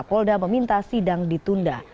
polda meminta sidang ditunda